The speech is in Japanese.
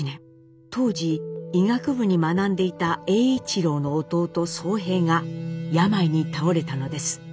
当時医学部に学んでいた栄一郎の弟荘平が病に倒れたのです。